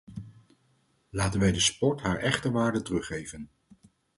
Laten wij de sport haar echte waarde teruggeven.